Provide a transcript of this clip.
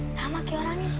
sama kayak orangnya